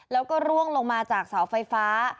แล้วก็ร่วงลงมาจากเสาไฟฟ้า